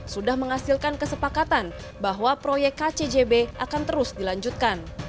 sudah menghasilkan kesepakatan bahwa proyek kcjb akan terus dilanjutkan